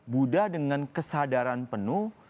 buddha dengan kesadaran penuh